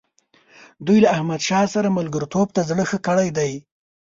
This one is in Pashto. دوی له احمدشاه سره ملګرتوب ته زړه ښه کړی دی.